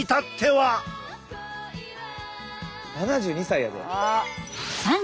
７２歳やで。